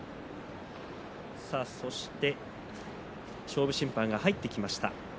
そして勝負審判が入ってきました。